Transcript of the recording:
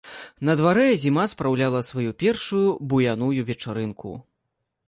На дварэ зіма спраўляла сваю першую буяную вечарынку.